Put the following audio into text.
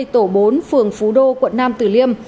tổ bốn phường phú đô quận nam tử liêm